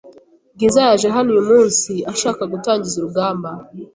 Bwiza yaje hano uyu munsi ashaka gutangiza urugamba